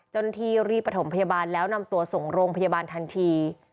เจ้าหน้าที่รีบประถมพยาบาลแล้วนำตัวส่งโรงพยาบาลทันที